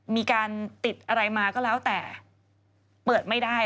มีการติดอะไรมาก็แล้วแต่เปิดไม่ได้